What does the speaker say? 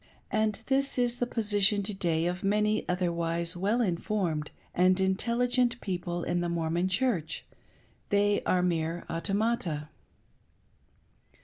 And this is the position to day of many otherwise well informed and intelligent people in the Mormon Church^they are mere automata.